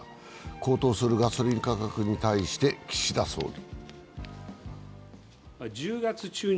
高騰するガソリン価格に対して岸田総理。